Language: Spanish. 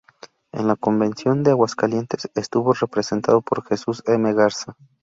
En la Convención de Aguascalientes estuvo representado por Jesús M. Garza.